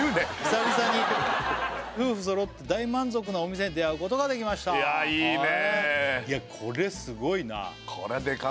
久々に夫婦そろって大満足のお店に出会うことができましたいやあいいね！